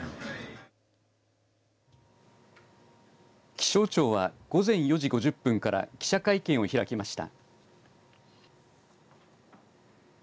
気象庁は午前４時５０分から記者会見を開きました。